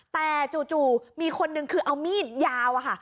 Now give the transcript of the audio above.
แต่จู่มีคนหนึ่งคือเอามีดยาวอะค่ะ